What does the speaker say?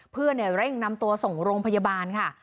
เพื่อนเร่งนำตัวส่งโรงพยาบาลค่ะ